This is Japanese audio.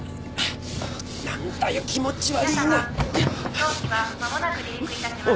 当機は間もなく離陸いたします」